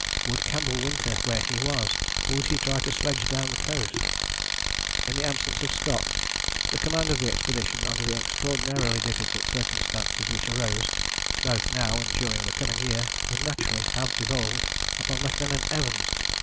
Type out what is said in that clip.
Would Campbell winter where he was? Would he try to sledge down the coast? In the absence of Scott the command of the expedition under the extraordinarily difficult circumstances which arose, both now and during the coming year, would naturally have devolved upon Lieutenant Evans.